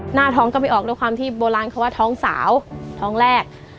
หน้าท้องก็ไม่ออกด้วยความที่โบราณเขาว่าท้องสาวท้องแรก